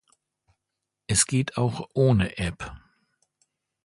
Es geht auch ohne App!